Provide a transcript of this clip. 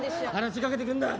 話しかけてくんな！